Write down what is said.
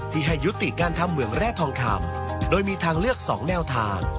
ให้ยุติการทำเหมืองแร่ทองคำโดยมีทางเลือก๒แนวทาง